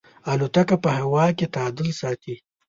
الوتکه په هوا کې تعادل ساتي.